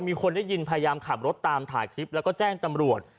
มีคนได้ยินพยายามขับรถตามถ่ายคลิปแล้วก็แจ้งตำรวจ